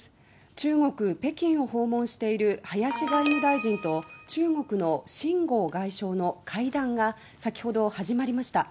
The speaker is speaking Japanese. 中国・北京を訪問している林外務大臣と中国の秦剛外相の会談が先ほど始まりました。